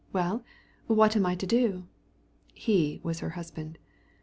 Well, what am I to do?" (He was her husband.)